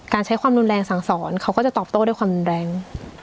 ใช้ความรุนแรงสั่งสอนเขาก็จะตอบโต้ด้วยความแรง